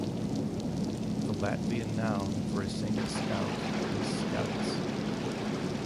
The Latvian noun for a single Scout is "Skauts".